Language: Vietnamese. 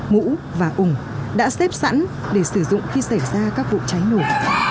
mũ và ủng đã xếp sẵn để sử dụng khi xảy ra các vụ cháy nổ